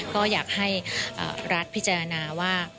ก็อยากให้รัฐพิจารณาว่า